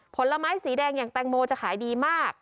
ผลไม้สีแดงอย่างแตงโมจะขายดีมาก